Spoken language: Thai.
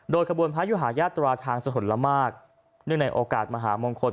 โดยขบวนพระอยู่หายาตราทางสถนธรรมมากเนื่องในโอกาสมหาลมงคล